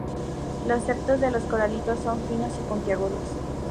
Los septos de los coralitos son finos y puntiagudos.